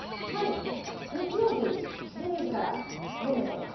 はい日曜日１２時から５名様。